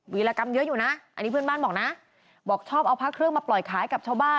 วิรกรรมเยอะอยู่นะอันนี้เพื่อนบ้านบอกนะบอกชอบเอาพระเครื่องมาปล่อยขายกับชาวบ้าน